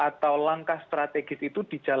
dengan kemungkinan untuk menjaga ruang digital